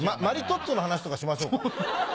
マリトッツォの話とかしましょうか？